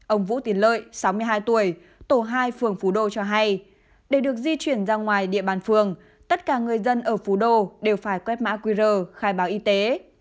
ông vũ tiến lợi sáu mươi hai tuổi tổ hai phường phú đô cho hay để được di chuyển ra ngoài địa bàn phường tất cả người dân ở phú đô đều phải quét mã qr khai báo y tế